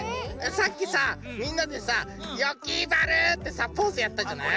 さっきさみんなでさ「よきまる！」ってポーズやったじゃない。